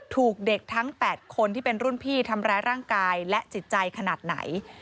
ถูกเด็กทั้ง๘คนที่เป็นรุ่นพี่ทำร้ายร่างกายและจิตใจขนาดไหน